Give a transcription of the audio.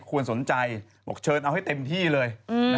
สนใจบอกเชิญเอาให้เต็มที่เลย